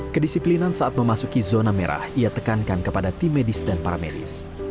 kedisiplinan saat memasuki zona merah ia tekankan kepada tim medis dan para medis